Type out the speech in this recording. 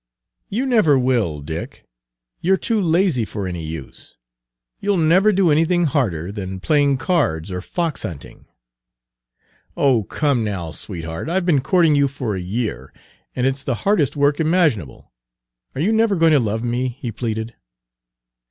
"You never will, Dick. You're too lazy Page 172 for any use. You'll never do anything harder than playing cards or fox hunting." "Oh, come now, sweetheart! I've been courting you for a year, and it's the hardest work imaginable. Are you never going to love me?" he pleaded.